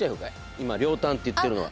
今両端って言ってるのは。